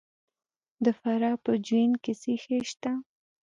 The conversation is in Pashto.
د فراه په جوین کې څه شی شته؟